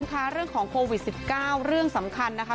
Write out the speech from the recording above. ค่ะเรื่องของโควิด๑๙เรื่องสำคัญนะคะ